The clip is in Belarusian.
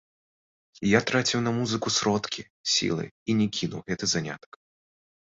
Я траціў на музыку сродкі, сілы, і не кіну гэты занятак.